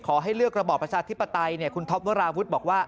ขอให้เลือกระบอบประชาธิปไตยคุณท็อปวราวุฒิบอกว่า